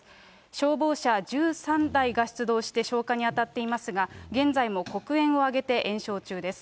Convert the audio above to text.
消防車１３台が出動して消火に当たっていますが、現在も黒煙を上げて延焼中です。